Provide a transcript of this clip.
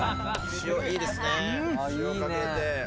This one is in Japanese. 塩かけて。